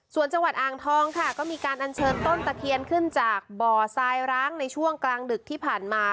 ส่วนจังหวัดอ่างทองค่ะก็มีการอัญเชิญต้นตะเคียนขึ้นจากบ่อทรายร้างในช่วงกลางดึกที่ผ่านมา